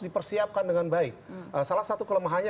dipersiapkan dengan baik salah satu kelemahannya